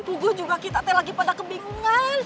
tunggu juga kita teh lagi pada kebingungan